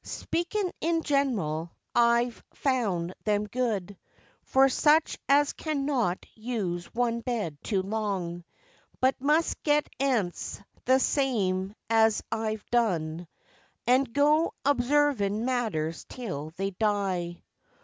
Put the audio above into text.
Speakin' in general, I 'ave found them good For such as cannot use one bed too long, But must get 'ence, the same as I 'ave done, An' go observin' matters till they die.